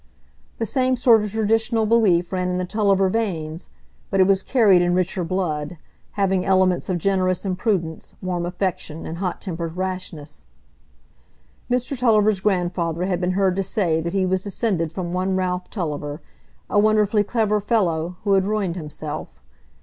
The same sort of traditional belief ran in the Tulliver veins, but it was carried in richer blood, having elements of generous imprudence, warm affection, and hot tempered rashness. Mr Tulliver's grandfather had been heard to say that he was descended from one Ralph Tulliver, a wonderfully clever fellow, who had ruined himself.